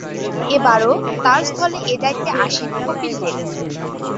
এবারও তার স্থলে এ দায়িত্বে আসেন কপিল দেব।